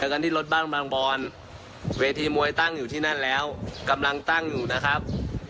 แค่นี้แหละครับ